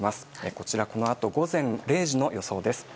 こちらこのあと午前０時の予想です。